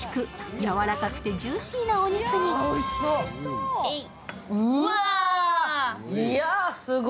やわらかくて、ジューシーなお肉にえいっ。